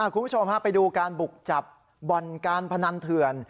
คุณผู้ชมไปดูการบุกจับบ่อนการพนันเถื่อน